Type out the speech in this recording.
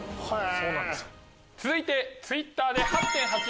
続いてＴｗｉｔｔｅｒで。